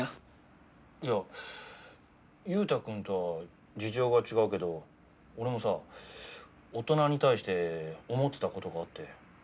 いや勇太くんとは事情が違うけど俺もさ大人に対して思ってた事があって。